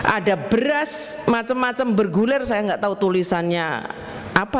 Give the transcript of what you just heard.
ada beras macam macam bergulir saya nggak tahu tulisannya apa